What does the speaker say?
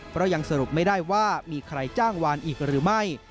เพราะยังสรุปไม่ได้ว่ามีใครจ้างวานอีกหรือไม่